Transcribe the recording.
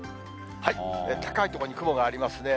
高い所に雲がありますね。